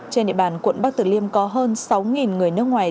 trên địa bàn quận bắc tử liêm có hơn sáu người nước ngoài